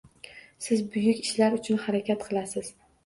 Siz buyuk ishlar uchun harakat qilasiz.